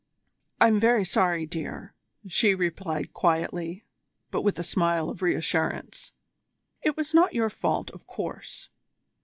"I'm very sorry, dear," she replied quietly, but with a smile of reassurance. "It was not your fault, of course.